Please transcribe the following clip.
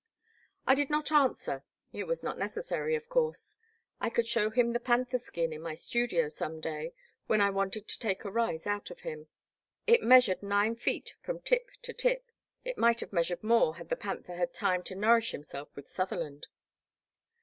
I did not answer — ^it was not necessary, of course. I could show him the panther skin in my studio some day when I wanted to take a rise out of him, It measured nine feet from tip to tip — ^it might have measured more had the panther had time to nourish himself with Sutherland.